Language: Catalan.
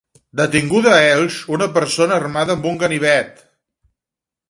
Detinguda a Elx una persona armada amb un ganivet.